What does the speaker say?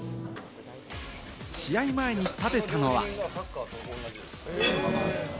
試合前に食べたのは。